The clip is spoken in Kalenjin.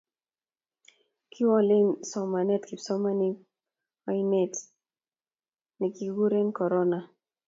kiwolune somanetab kipsomaninik oindet ne kikuren korona